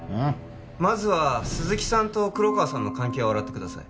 まずは鈴木さんと黒川さんの関係を洗ってください